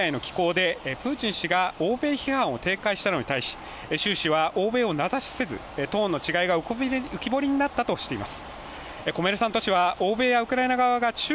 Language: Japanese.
訪問に先立つ両首脳によるメディアへの寄稿でプーチン氏が欧米批判を展開したのに対し、習氏は欧米を名指しせずトーンの違いが浮き彫りになったとしています。